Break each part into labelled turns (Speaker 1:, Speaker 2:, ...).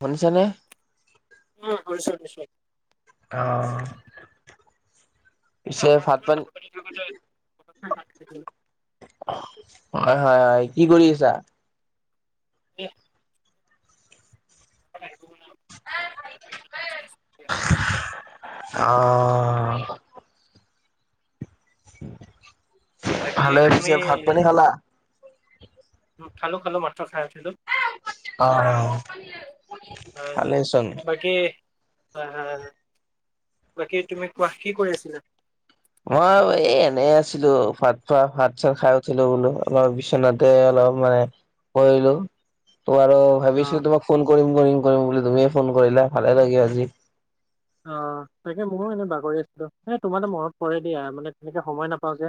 Speaker 1: শুনিছানে?
Speaker 2: উম শুনিছো শুনিছো।
Speaker 1: এও অ অ অ অ টু।
Speaker 2: এ আপোনাৰ লগত কথা পাতি থাকোতে হঠাতে মাত দিছে।
Speaker 1: অহ হয় হয় হয় কি কৰি আছা?
Speaker 2: কে? সোনকালে আহি পাব না সেইকাৰণে বাট চাই আছো দিয়া।
Speaker 1: হে হে আ অ অ অ।
Speaker 2: বাকী
Speaker 1: ভালে
Speaker 2: তুমি
Speaker 1: পিছে ভাত-পানী খালা?
Speaker 2: উম, খালো খালো মাত্ৰ খাই উঠিলো।
Speaker 1: অ অ অ আ এ অ অ, পালিয়ে আৰু শুনি আছি ভালেই চোন।
Speaker 2: বাকী এ এ। হয় হয় হয় হয়, বাকী তুমি কোৱা কি কৰি আছিলা?
Speaker 1: মই এই এনে আছিলো ভাত খোৱা ভাত-চাত খাই উঠিলো বোলো আমাৰ বিশ্বনাথ তে অলপ মানে কৰিলো ত আৰু
Speaker 2: অ',
Speaker 1: ভাবিছোঁ তোমাক ফোন কৰিম কৰিম কৰিম বুলি তুমিয়ে ফোন কৰিলা ভালে লাগে আজি।
Speaker 2: অ অ অ, তাকে ময়ো এনে বাগৰি আছিলো এ তোমাৰো মনত পৰে দিয়া মানে তেনেকে সময় নাপাওঁ যে।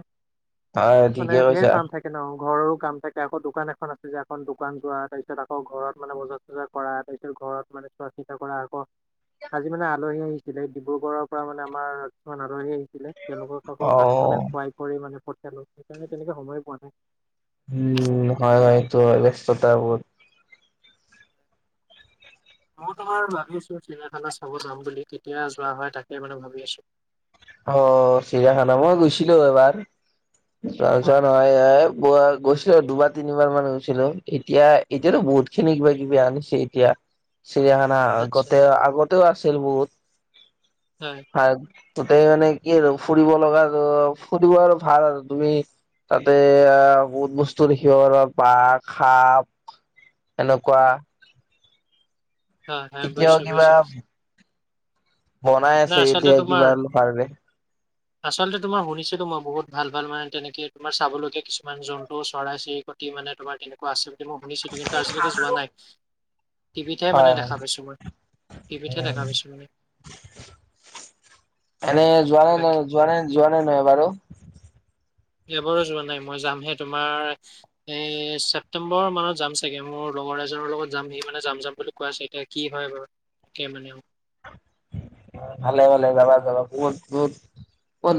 Speaker 1: হয়
Speaker 2: মানে
Speaker 1: ঠিকে
Speaker 2: ঢেৰ
Speaker 1: কৈছা
Speaker 2: কাম থাকে। এনেও ঘৰৰো কাম থাকে আকৌ দোকান এখন আছে যে এখন দোকান যোৱা তাৰপিছত আকৌ ঘৰত মানে বজাৰ এইবিলাক কৰা তাৰপিছত ঘৰত মানে চোৱা-চিতা কৰা আকৌ আজি মানে আ আলহী আহিছিলে ডিব্ৰুগড়ৰ পৰা মানে আমাৰ কিছুমান আলহী আহিছিলে তেওঁলোকক আকৌ ভাত
Speaker 1: অ'
Speaker 2: মানে খুৱাই কৰি মানে পঠিয়ালো সেইকাৰণে তেনেকে সময়ে পোৱা নাই।
Speaker 1: উম উম উম, হয় হয়, সেইটো হয় ব্যস্ততা বহুত।
Speaker 2: মই ও তোমাৰ ভাবি আছো চিৰিয়াখানা চাব যাম বুলি কেতিয়া যোৱা হয় তাকে মানে ভাবি আছো।
Speaker 1: অ অ অ অ, চিৰায়াখানা মই গৈছিলো এবাৰ। যাও
Speaker 2: হয়
Speaker 1: যাও নহয় এ পুৱা গৈছিলো। দে দুবাৰ তিনিবাৰ মান গৈছিলো এতিয়া এতিয়াতো বহুত খিনি কিবা কিবি আনিছে এতিয়া। চিৰিয়াখানা
Speaker 2: আচ্ছা
Speaker 1: আগতে আগতেও আছিল বহুত চি।
Speaker 2: হয়।
Speaker 1: আৰু তাতেই মানে কি আৰু ফুৰিব লগা আৰু ফুৰিব আৰু ভাল আৰু তুমি। তাতে আ আ আ বহুত বস্তু দেখিব পাৰা বাঘ, সাপ এনেকুৱা।
Speaker 2: হয় হয়,
Speaker 1: এতিয়াও
Speaker 2: বুজিছো
Speaker 1: কিবা
Speaker 2: বুজিছো সিট।
Speaker 1: বনাই আছে
Speaker 2: আচলতে
Speaker 1: এতিয়া
Speaker 2: তোমাৰ
Speaker 1: কিবা আৰু ভাল বে।
Speaker 2: আচলতে তোমাৰ শুনিছিলো মই বহুত ভাল ভাল মানে তেনেকে তোমাৰ চাবলগীয়া কিছুমান জন্তু চৰাই-চিৰিক কি মানে তোমাৰ তেনেকুৱা আছে বুলি মই শুনিছিলো কিন্তু আজিলৈকে যোৱা নাই সি সি। টিভিতহে মানে
Speaker 1: হয় হয়
Speaker 2: দেখা পাইছোঁ মই, টিভিতহে দেখা পাইছোঁ মানে।
Speaker 1: এনেই যোৱা নাই ন
Speaker 2: বাকী
Speaker 1: যোৱা নাই যোৱা নাই ন এবাৰো?
Speaker 2: এবাৰো যোৱা নাই, মই যামহে তোমাৰ এ ছেপটেম্বৰ মানত যাম চাগে, মোৰ লগৰ এইজনৰ লগত যাম। সি মানে যাম যাম বুলি কোৱা চোন এতিয়া কি হয় বাৰু তে মানেও।
Speaker 1: ভালে ভালে যাবা যাবা বহুত বহুত।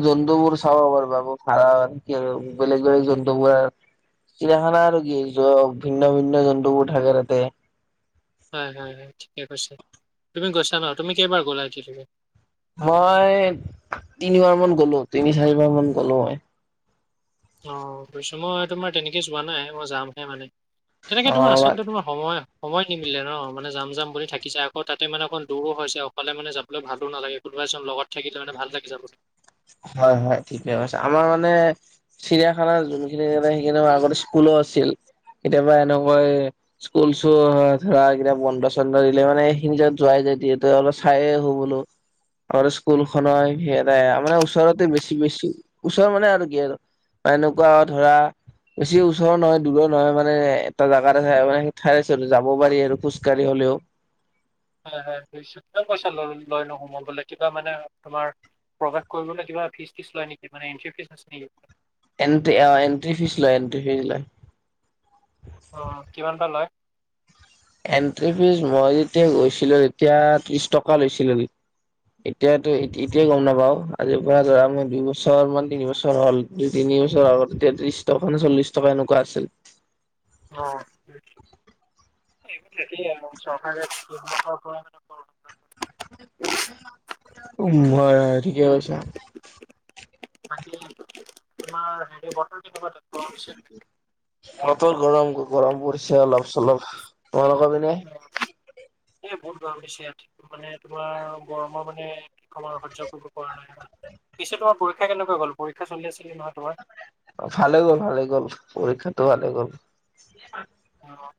Speaker 1: জন্তুবোৰ চাব পাৰিবা ভাল কি বেলেগ বেলেগ জন্তুবোৰ। চিৰায়াখানা আৰু কি, যক ভিন্ন ভিন্ন জন্তুবোৰ থাকে তাতে।
Speaker 2: হয়, হয়, হয় ঠিকে কৈছে, তুমি গৈছা ন তুমি কেইবাৰ গ'লা এই কেই দিনত?
Speaker 1: মই তিনিবাৰ মান গ'লো তিনি চাৰিবাৰ মান গ'লো মই।
Speaker 2: অ' গৈছো মই তোমাৰ তেনেকেই যোৱা নাই মই যামহে মানে।
Speaker 1: অ
Speaker 2: তেনেকৈ তোমাৰ আচলতে তোমাৰ সময় সময় নিমিলে ন, মানে যাম যাম বুলি থাকি যাই আকৌ, তাতে মানে অকণ দূৰো হৈছে অকলে মানে যাবলৈ ভালো নালাগে। কোনোবা এজন লগত থাকিলে মানে ভাল লাগি যাব।
Speaker 1: হয়, হয় ঠিকেই কৈছা, আমাৰ মানে চিৰিয়াখানাৰ যোনখিনি যাগাত সেইখিনিত মানে আগতে স্কুলো আছিল। কেতিয়াবা এনেকৈ স্কুল চ ধৰা কেতিয়াবা বন্ধ চন্ধ দিলে মানে সখিনিত যোৱাই যাই দি তই অলপ চাই আহো বোলো। আমাৰ স্কুল খনৰ সেইয়াই মানে ওচৰতে বেছি বেছি ওচৰ মানে আৰু কি আৰু বা এনেকুৱা ধৰা বেছি ওচৰ নহয় দূৰৰ নহয় মানে এটা জেগাই মানে ঠাই আছে যাব পাৰি আৰু খোজ কঢ়ি হ'লেও।
Speaker 2: হয়, হয় কিমান পইচা ল লৈ ন সোমই বোলে কিবা মানে তোমাৰ। প্ৰৱেশ কৰিবলৈ কিবা ফিজ টিজ লয় নেকি মানে এণ্ট্ৰি ফিজ আছে নেকি?
Speaker 1: এণ্টি অ' এণ্ট্ৰি ফিজ লয় এণ্ট্ৰি ফিজ লয়।
Speaker 2: অঁ কিমান বা লয়?
Speaker 1: এন্ট্ৰি ফিজ মই যেতিয়া গৈছিলো তেতিয়া ত্ৰিশ টকা লৈছিলে। এতিয়াতো এতিয়াই গ'ম নাপাওঁ, আজিৰ পৰা ধৰা মই দুই বছৰ মান তিন বছৰ হ'ল। দুই তিনি বছৰ আগত তেতিয়া ত্ৰিশ টকা নে চল্লিশ টকা এনেকুৱা আছিল।
Speaker 2: অঁ। এইয়া চাগাগ [unintelligible]
Speaker 1: উম, হয় ঠিকে কৈছা।
Speaker 2: বাকিমাৰ [unintelligible] হে ব
Speaker 1: বতৰ গৰম গৰম পৰিছে অলপ চলপ, তোমালোকৰ পিনে?
Speaker 2: অ'। এই বহুত গৰম বেছি ইয়াত, মানে তোমাৰ গৰমৰ মানে কি কম আৰু সহ্য কৰিব পৰা নাই। পিছে তোমাৰ পৰীক্ষা কেনেকুৱা গ'ল? পৰীক্ষা চলি আছিলে নহয় তোমাৰ?
Speaker 1: ভালে গ'ল ভালে গ'ল পৰীক্ষাটো ভালে গ'ল।
Speaker 2: অঁ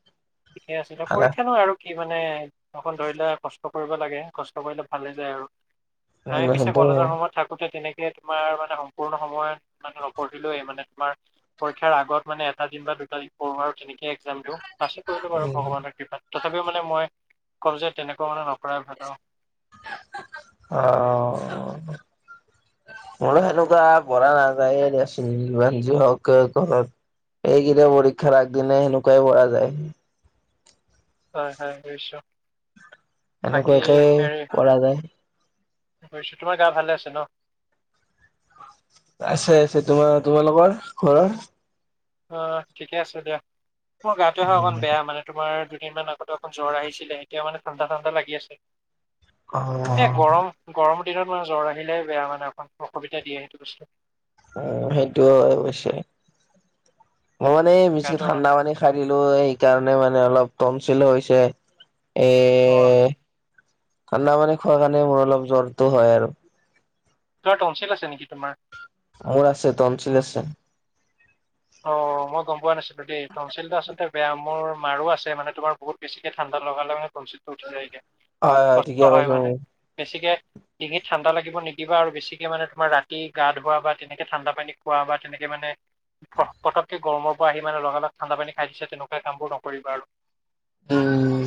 Speaker 2: ঠিকে আছিলে,
Speaker 1: ভালে
Speaker 2: পৰীক্ষা নহয় আৰু কি মানে অকণ ধৰিলে কষ্ট কৰিব লাগে কষ্ট কৰিলে ভালে যায় আৰু। আমি
Speaker 1: উম
Speaker 2: পিছে
Speaker 1: সেইটো
Speaker 2: কলেজৰ
Speaker 1: হয়
Speaker 2: সময়ত থাকোতে তেনেকে সে তোমাৰ মানে সম্পূৰ্ণ সময়ত মানে নপঢ়িলোয়ে মানে তোমাৰ। পৰীক্ষাৰ আগত মানে এটা দিন বা দুটা দিন পঢ়ো আৰু তেনেকে এক্সাম দিওঁ, পাছো কৰিলো বাৰু
Speaker 1: উম
Speaker 2: ভগৱানৰ কৃপাত। তথাপিও মানে মই কওঁ যে তেনেক ত মানে নাপঢ়ায় ভাল ন?
Speaker 1: অ'। মোৰো সেনেকুৱা পঢ়া নাযায়ে দিয়াচোন যমান যি হওঁক। ঘৰত এইকেইটা পৰীক্ষাৰ আগদিনে সেনেকুৱাই কৰা যায়।
Speaker 2: হয় হয় নিছোঁ।
Speaker 1: এনেকুৱাকে কৰা যায়।
Speaker 2: [inaudible] তোমাৰ গা ভালে আছে ন।
Speaker 1: আছে আছে তোমাৰ তোমালোকৰ ঘৰৰ।
Speaker 2: অঁ ঠিকে আছে দিয়া মোৰ গাটোহে অকণ বেয়া মানে তোমাৰ দুদিনমান আগতে অকন জ্বৰ আহিছিল এতিয়া মানে ঠাণ্ডা ঠাণ্ডা লাগি আছে।
Speaker 1: অ
Speaker 2: এ গৰম গৰম দিনত মানে জ্বৰ আহিলে বেয়া মানে অকণ অসুবিধা দিয়ে সেইটো বস্তু।
Speaker 1: অ সেইটো অৱশ্যয় মই মানে বেছি
Speaker 2: গাটো অকণ
Speaker 1: ঠাণ্ডা মানী। খা দিলো সেইকাৰণে মানে অলপ তনচিল হৈছে এ
Speaker 2: অ
Speaker 1: ঠাণ্ডা পানী খোৱা কাৰণে মোৰ অলপ জ্বৰটো হয় আৰু।
Speaker 2: তৰ তনঞ্চিল আছে নেকি তোমাৰ।
Speaker 1: মোৰ আছে তনঞ্চিল আছে।
Speaker 2: অ মই গম পোৱা নাছিলো দেই তনঞ্চিলটো আচলতে বেয়া মোৰ মাৰো আছে মানে তোমাৰ বহুত বেছিকে ঠাণ্ডা লগাল লগাই তনঞ্চিলটো উঠি যায়গে
Speaker 1: হয়
Speaker 2: কষ্ট
Speaker 1: ঠিকে
Speaker 2: হয়
Speaker 1: কৈছা
Speaker 2: মানে
Speaker 1: তুমি।
Speaker 2: বেছিকে ডিঙিত ঠাণ্ডা লাগিব নিদিবা আৰু বেছিকে মানে তোমাৰ ৰাতি গা ধোৱা বা তেনেকে ঠাণ্ডা পানী খোৱা বা তেনেকে মানে প পতকে গৰমৰ পৰা আহি মানে লগা লগ ঠাণ্ডা পানী খাই দিছে তেনেকুৱা কামবোৰ নৰিবা আৰু।
Speaker 1: উম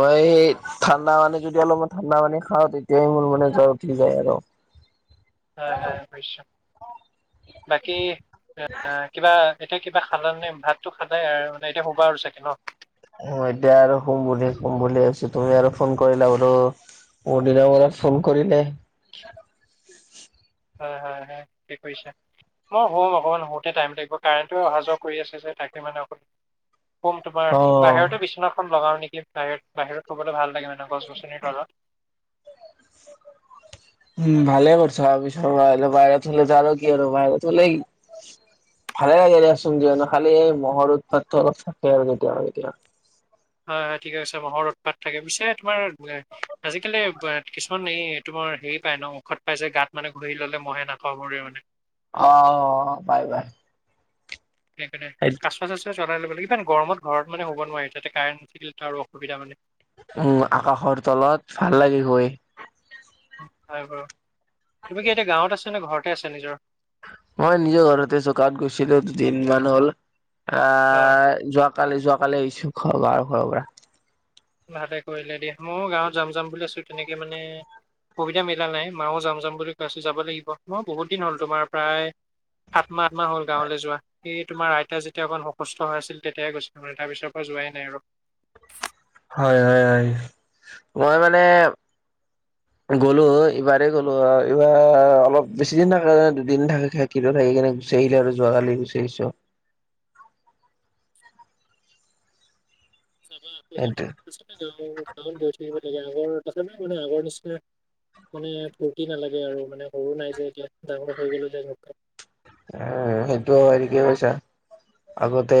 Speaker 1: [inaudible] ঠাণ্ডা মানি যেতিয়া লব ঠাণ্ডা মানী খাওঁ তেতিয়াই মোৰ মানে জ্বৰ উঠি যায় আৰু।
Speaker 2: হয় হাই [inaudible] বাকী। [inaudible] কিবা এতিয়া কিবা খালা নে ভাতটো খালে আৰু মানে এতিয়া শোবা আৰু চাগে ন।
Speaker 1: অ এতিয়া আৰু শুম বুলি শুম বুলি ভাবিছো তুমি আৰু ফোন কৰিলা বো। বহু দিনৰ মূৰত ফোন কৰিলে।
Speaker 2: হয় হয় হয় কি কৰিছা মই শুম অকণমান শুওঁতে টাইম তাগিব। কাৰেণ্টটো অহা যোৱা কৰি আছে যে তাকে মানে অ শুম তাপা
Speaker 1: অ'
Speaker 2: বাহিৰতে বিচনাখন লগাওঁ নেকি বাহিৰত বাহিৰত শুবলে ভাল লাগে মানে গছ-গছনিৰ তলত।
Speaker 1: [unintelligible] উম ভালে কৰিছা বিচনাত বাহিৰত শুলে [inaudible] কি হয় বাহিৰত শুলে ভালে লাগে দিয়াচোন কিয়নো খালি মহৰ উৎপাতটো অলপ থাকে আৰু কেতিয়াবা কেতিয়া
Speaker 2: হয় হয় ঠিকে কৈচা মহৰ উৎপাত থাকে পিছে তোমাৰ। আজিকালি কিছুমান এই তোমাৰ হেৰি পায় ন ঔখধ পাইছে গাত মানে ঘহি ল'লে মহে নাকামুৰে মানে।
Speaker 1: অ অ অ পাই পা।
Speaker 2: [unintelligible]
Speaker 1: [unintelligible]
Speaker 2: আসুৱা চাচোৱা জ্বলাই ল'ব লাগে ইমান গৰম ঘৰত মানে শুব নোৱাৰি তাতে কাৰেণ্ট নাথাকিলে আৰু অসুবিধা মানে।
Speaker 1: উম আকাশৰ তলত ভাল লাগে শুই।
Speaker 2: হয় বাৰু তুমি কি এতিয়া গাঁৱত আছে নে ঘৰতে আছা নিজৰ।
Speaker 1: মই নিজৰ ঘৰতে আছো গাঁৱত গৈছিলো দুদিনমান হ'ল আ
Speaker 2: হয়
Speaker 1: যোৱা কালি যোৱ কালি আহিছো ঘৰৰ গাঁৱৰ ঘৰৰ পৰা।
Speaker 2: ভালে কৰিলে দিয়া মইয়ো গাঁৱত যাম যাম বুলি আছোঁ তেনেকে মানে। সুবিধা মিলা নাই মাওঁ যাম যাম বুলি কৈ আছো যাব লাগিব মই বহুত দিন হ'ল তোমাৰ প্ৰায় সাত মাহ আঠ মাহ হ'ল গাঁৱলে যোৱা। এই তোমাৰ আইতা যেতিয়া অকণ অসুস্থ হৈ আছিল তেতিয়াহে গৈছিলোঁ মানে তাৰপিছৰ পৰা যোৱাই নাই আৰু।
Speaker 1: হয় হয় হয় মই মানে।
Speaker 2: [unintelligible]
Speaker 1: গ'লো ইবাৰেই গ'লো হয় এইবাৰ অলপ বেছি দিন থাকে দুদিন থাকা খায়। এৰিকিনে গুচি আহিলে আৰু যোৱাকালি গুচি আহিছোঁ।
Speaker 2: যাবা
Speaker 1: সেইটোৱে
Speaker 2: [unintelligible] লাগে। আগৰ তা মানে আগৰ নিচিনা মানে ফূৰ্তি নালাগে আৰু মানে সৰু নাই যে এতিয়া, ডাঙৰ হৈ গলোঁ যে ঘপঘপ।
Speaker 1: এ, সেইটো হয় ঠিকে কৈছা। আগতে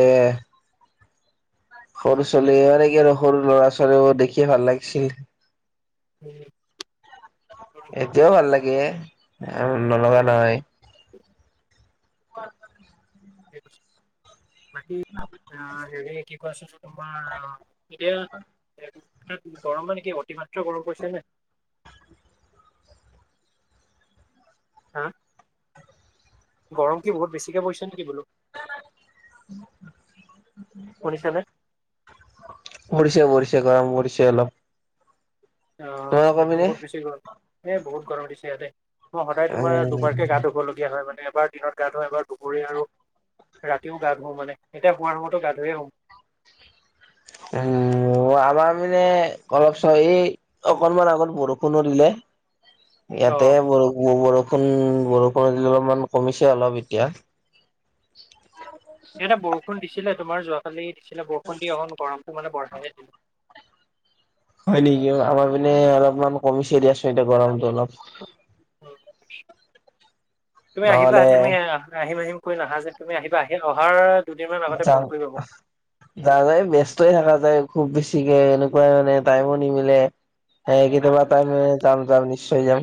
Speaker 1: সৰু ছোৱালী আৰে কি আৰু সৰু ল'ৰা ছোৱালীবোৰ দেখিয়ে ভাল লাগিছিল।
Speaker 2: [unintelligible]
Speaker 1: এতিয়াও ভাল লাগে, নলগা
Speaker 2: উম
Speaker 1: নহয়। [unintelligible]
Speaker 2: বাকী
Speaker 1: [unintelligible]
Speaker 2: আ হেৰি কি কোৱাচোন তোমাৰ কেতিয়া গৰম মানে কি অতিমাত্ৰা গৰম পৰিছে যে। হা? গৰম কি বহুত বেছিকৈ পৰিছে নেকি বোলো?
Speaker 1: [unintelligible]
Speaker 2: শুনিছানে?
Speaker 1: পৰিছে পৰিছে গৰম পৰিছে অলপ।
Speaker 2: অ
Speaker 1: তোমালোকৰ
Speaker 2: ইয়াতো
Speaker 1: পিনে
Speaker 2: বহুত বেছি গৰম। এ বহুত গৰম দিছে ইয়াতে। অ সদায় তোমাৰ
Speaker 1: উম,
Speaker 2: দুবাৰকে গা ধুবলগীয়া হয় মানে। এবাৰ দিনত গা ধোৱা এবাৰ দুপৰীয়া আৰু ৰাতিও গা ধু মানে। এতিয়া হোৱাৰ সময়তো গা ধুয়ে শুম।
Speaker 1: উম, আমাৰ মানে অলপ চলপ এই অকনমান আগত বৰষুণো দিলে।
Speaker 2: [inaudible]
Speaker 1: ইয়াতে ব বৰষুণ বৰষুণ অলপমান কমিছে অলপ এতিয়া।
Speaker 2: ইয়াতে বৰষুণ দিছিলে, তোমাৰ যোৱাকালি দিছিলে। বৰষুণ দি অকণ গৰমটো মানে বঢ়াইহে দিলে।
Speaker 1: হয় নেকি? আমাৰ পিনে অলপমান কমিছে দিয়াচোন, এতিয়া গৰমতটো অলপ।
Speaker 2: তুমি আহিবা।
Speaker 1: নহ'লে
Speaker 2: তুমি আহিম আহিম কৈ নাহা যে। তুমি আহিবা আহি অহাৰ দুদিনমান আগতে ফোন
Speaker 1: যাম।
Speaker 2: কৰিবা মোক।
Speaker 1: [unintelligible] ব্যস্তই থাকা যায়। খুব বেছিকে এনেকুৱাই মানে টাইমো নিমিলে। হে কেতিয়াবা টাইম যাম যাম নিশ্চয় যাম।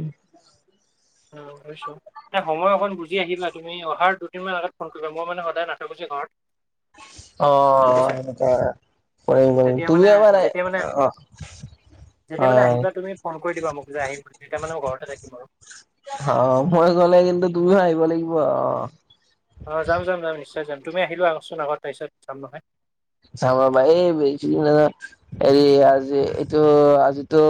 Speaker 2: অ', শুনিছোঁ। না সময় অকণ বুজি আহিবা, তুমি অহাৰ দুদিনমান আগত ফোন কৰিবা, মই মানে সদায় নাথাকো যে ঘৰত।
Speaker 1: অ'
Speaker 2: বুজিছা।
Speaker 1: কৰিম কৰিম,
Speaker 2: যেতিয়া মানে
Speaker 1: তুমি এবাৰ এ
Speaker 2: যেতিয়া মানে
Speaker 1: অ'
Speaker 2: যেতিয়া মানে
Speaker 1: হয়।
Speaker 2: আহিবা তুমি ফোন কৰি দিবা মোক, যে আহিম, তেতিয়া মানে মই ঘৰতে থাকিম আৰু।
Speaker 1: অ', মই গ'লে কিন্তু তুমিও আহিব লাগিব অ'।
Speaker 2: অ', যাম, যাম, যাম, নিশ্চয় যাম। তুমি আহি লোৱা আগত চোন আগত তাৰপিছত যাম নহয়।
Speaker 1: চাও ৰবা, এই [unintelligible] হেৰি আজি এইটো আজিতো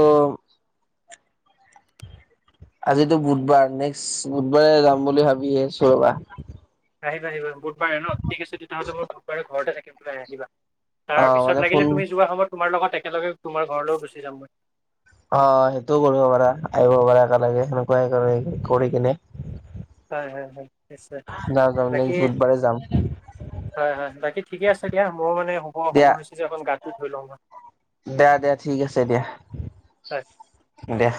Speaker 1: আজিতো বুধবাৰ, নেক্স বুধবাৰে যাম বুলি ভাবি আছোঁ ৰবা।
Speaker 2: আহিবা আহিবা বুধবাৰে ন, ঠিক আছে তেতিয়াহ'লে মই বুধবাৰে ঘৰতে থাকিম তুমি আহিবা।
Speaker 1: অ' মানে
Speaker 2: তাৰপিছত
Speaker 1: ফোন
Speaker 2: লাগিলে তুমি যোৱা সময়ত তোমাৰ লগত একেলগে তোমাৰ ঘৰলৈও গুচি যাম মই।
Speaker 1: অ', সেইটোও কৰিব পাৰা, আহিব পাৰা একেলগে, সেনেকুৱাই ক কৰি কিনে।
Speaker 2: হয়, হয়, হয়। নিশ্চয়
Speaker 1: নাযাওঁ,
Speaker 2: বাকী
Speaker 1: নেক্স বুধবাৰে যাম।
Speaker 2: হয় হয়, বাকী ঠিকেই আছে দিয়া, মোৰ মানে শুব
Speaker 1: দিয়া
Speaker 2: সময় হৈছে যে, অকণ গাটো ধুই লওঁ মই।
Speaker 1: দিয়া দিয়া, ঠিক আছে দিয়া,
Speaker 2: মই।
Speaker 1: দিয়া।